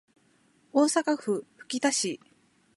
大阪府吹田市